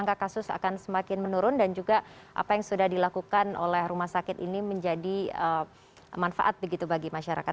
angka kasus akan semakin menurun dan juga apa yang sudah dilakukan oleh rumah sakit ini menjadi manfaat begitu bagi masyarakat